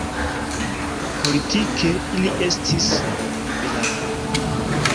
Politike, ili estis liberalaj.